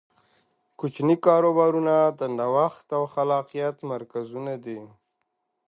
کوچني کاروبارونه د نوښت او خلاقیت مرکزونه دي.